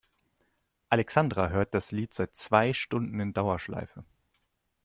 Alexandra hört das Lied seit zwei Stunden in Dauerschleife.